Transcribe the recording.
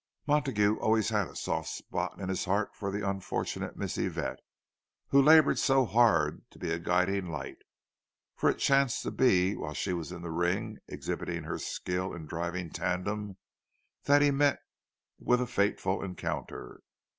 Montague always had a soft spot in his heart for the unfortunate Miss Yvette, who laboured so hard to be a guiding light; for it chanced to be while she was in the ring, exhibiting her skill in driving tandem, that he met with a fateful encounter.